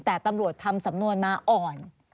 แต่ตำรวจทำสำนวนมาอ่อน